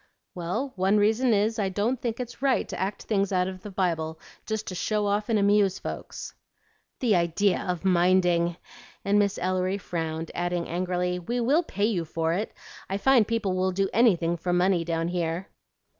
"Well, one reason is I don't think it's right to act things out of the Bible just to show off and amuse folks." "The idea of minding!" and Miss Ellery frowned, adding angrily, "We will pay you for it. I find people will do anything for money down here."